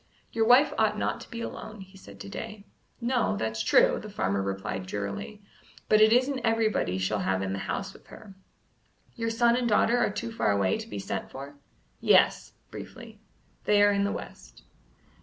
"Your wife ought not to be alone," he said to Day. "No; that's true!" the farmer replied drearily; "but it isn't everybody she'll have in the house with her." "Your son and daughter are too far away to be sent for?" "Yes" briefly "they are in the west."